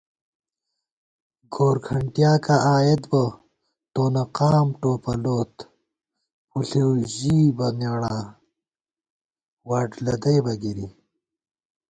گورکھنٹیاکاں آئیېت، تونہ قام ٹوپَلوت ✿ پُݪېؤ ژِیبہ نیڑاں ، واٹ لدَئیبہ گِری